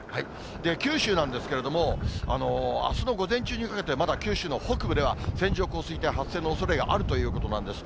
九州なんですけれども、あすの午前中にかけてまだ九州の北部では、線状降水帯発生のおそれがあるということなんです。